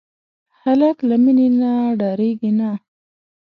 هلک له مینې نه ډاریږي نه.